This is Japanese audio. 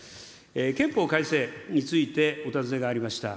憲法改正についてお尋ねがありました。